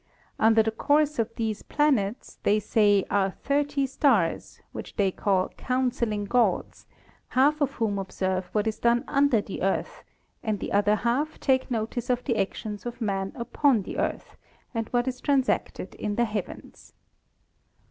Under the course of these Planets, they say are Thirty Stars, which they call Counselling Gods, half of whom observe what is done under the Earth, and the other half take notice of the actions of Men upon the Earth, and what is transacted in the Heavens.